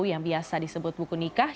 yang biasa disebut buku nikah